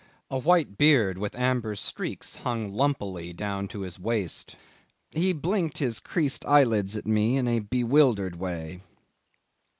A white beard with amber streaks hung lumpily down to his waist. He blinked his creased eyelids at me in a bewildered way.